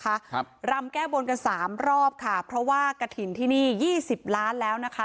ครับรำแก้บนกันสามรอบค่ะเพราะว่ากระถิ่นที่นี่ยี่สิบล้านแล้วนะคะ